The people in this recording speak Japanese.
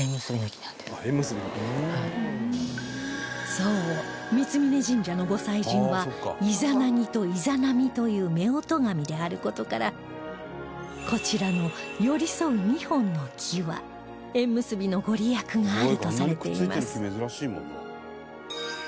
そう三峯神社の御祭神はイザナギとイザナミという夫婦神である事からこちらの寄り添う２本の木は縁結びのご利益があるとされています